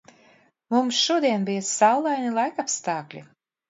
Mums šodien bija saulaini laikapstākļi.